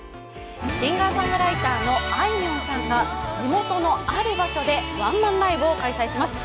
シンガーソングライターのあいみょんさんが地元の、ある場所でワンマンライブを開催します。